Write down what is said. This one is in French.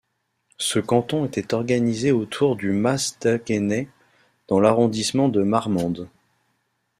Ce canton était organisé autour du Mas-d'Agenais dans l'arrondissement de Marmande.